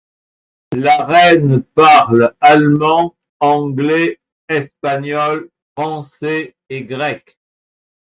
La reine parle allemand, anglais, espagnol, français et grec.